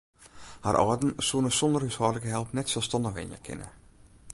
Har âlden soene sonder húshâldlike help net selsstannich wenje kinne.